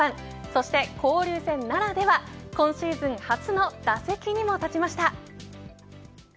そして交流戦ならでは今シーズン初の打席にも立ちました。